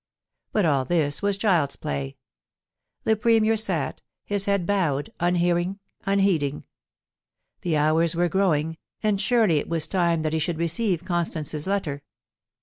But all this was child^s play. The Premier sat, his head bowed, unhearing, unheeding. The hours were growing, and surely it was time that he should receive Constance's letter.